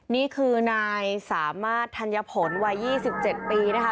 นี่คือนายสามารถธัญผลวัย๒๗ปีนะคะ